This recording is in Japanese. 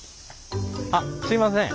あっすいません。